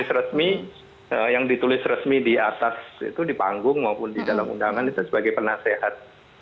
resmi yang ditulis resmi di atas itu di panggung maupun di dalam undangan itu sebagai penasehat